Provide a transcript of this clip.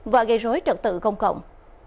và gây rối trận tự công cộng